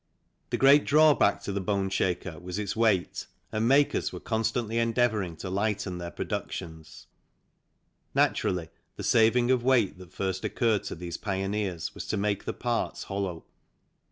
The great drawback to the boneshaker was its weight, and makers were constantly endeavouring to lighten their productions. Naturally, the saving of weight that first occurred to these pioneers was to make the parts hollow.